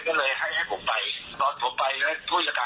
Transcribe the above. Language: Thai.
คือตอนแรกบ้านพี่โจ๊กเพราะว่าคนอื่นเข้า